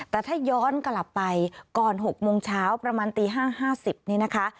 แต่ถ้าย้อนกลับไปก่อน๖โมงเช้าประมาณตี๕๕๐นี่นะคะ